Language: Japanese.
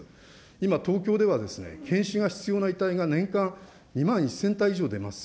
今、東京では検視が必要な遺体が年間２万１０００体以上出ます。